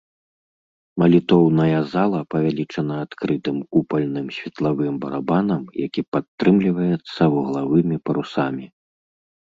Малітоўная зала павялічана адкрытым купальным светлавым барабанам, які падтрымліваецца вуглавымі парусамі.